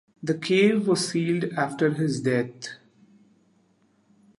The cave was sealed after his death.